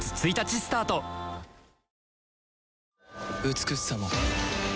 美しさも